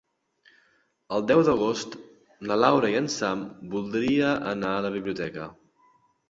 El deu d'agost na Laura i en Sam voldria anar a la biblioteca.